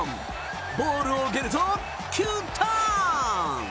ボールを受け取ると急ターン。